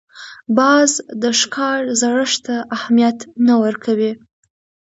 باز د ښکار زړښت ته اهمیت نه ورکوي